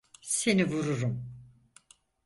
Seni vururum.